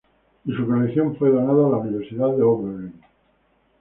Y, su colección fue donada a la Universidad de Oberlin.